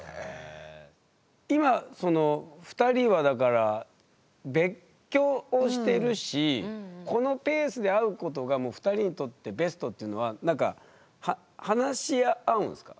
今２人はだから別居をしてるしこのペースで会うことが２人にとってベストっていうのはなんか話し合うんですか？